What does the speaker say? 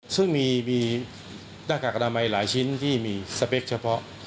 ซึ่งมีหน้ากากอนามัยหลายชิ้นที่มีสเปคเฉพาะ